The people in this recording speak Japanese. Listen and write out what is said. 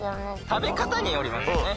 食べ方によりますよね。